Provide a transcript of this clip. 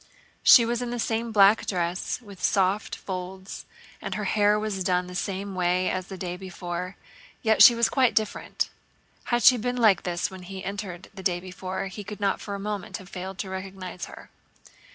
She was in the same black dress with soft folds and her hair was done the same way as the day before, yet she was quite different. Had she been like this when he entered the day before he could not for a moment have failed to recognize her.